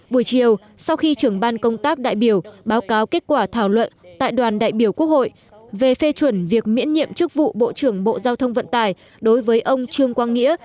buổi chiều sau khi trưởng ban công tác đại biểu báo cáo kết quả thảo luận tại đoàn đại biểu quốc hội về phê chuẩn việc miễn nhiệm chức vụ bộ trưởng bộ giao thông vận tải đối với ông trương quang nghĩa